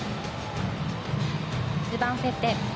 グランフェッテ。